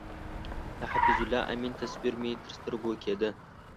د حفیظ الله امین تصویر مې تر سترګو کېده.